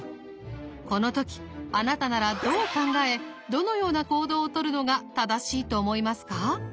この時あなたならどう考えどのような行動をとるのが正しいと思いますか？